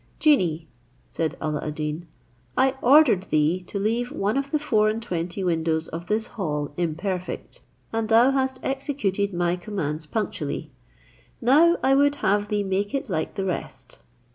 "Genie," said Alla ad Deen, "I ordered thee to leave one of the four and twenty windows of this hall imperfect, and thus hast executed my commands punctually; now I would have thee make it like the rest."